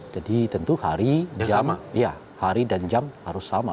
jadi tentu hari dan jam harus sama